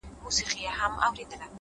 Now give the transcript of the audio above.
هوښیار انتخاب د سبا ستونزې کموي,